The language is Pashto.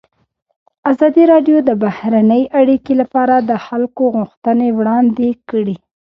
ازادي راډیو د بهرنۍ اړیکې لپاره د خلکو غوښتنې وړاندې کړي.